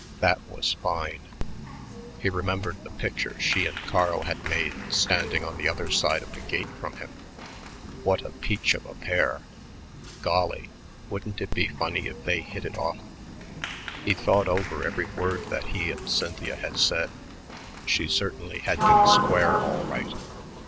That was fine.... He remembered the picture she and Carl had made standing on the other side of the gate from him. "What a peach of a pair. Golly, wouldn't it be funny if they hit it off...." He thought over every word that he and Cynthia had said. She certainly had been square all right.